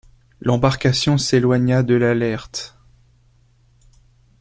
L’embarcation s’éloigna de l’Alert.